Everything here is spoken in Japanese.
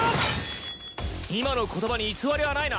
今の言葉に偽りはないな？